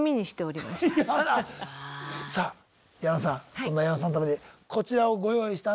そんな矢野さんのためにこちらをご用意したんです。